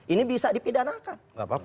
ini bisa dipidanakan